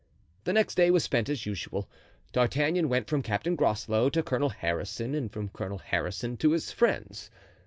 The next day was spent as usual. D'Artagnan went from Captain Groslow to Colonel Harrison and from Colonel Harrison to his friends.